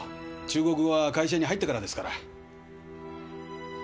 中国語は会社に入ってからですから。